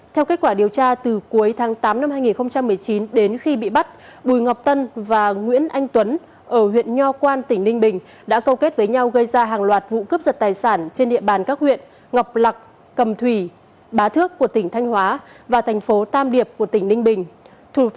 theo kết quả điều tra từ cuối tháng tám năm hai nghìn một mươi chín đến khi bị bắt bùi ngọc tân và nguyễn anh tuấn ở huyện nho quan tỉnh ninh bình đã câu kết với nhau gây ra hàng loạt vụ cướp giật tài sản trên địa bàn các huyện ngọc lạc cầm thủy bá thước của tỉnh thanh hóa và thành phố tam điệp của tỉnh ninh bình